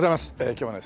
今日はね